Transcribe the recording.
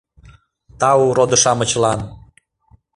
Тау родо-шамычлан!..